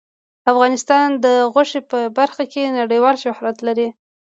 افغانستان د غوښې په برخه کې نړیوال شهرت لري.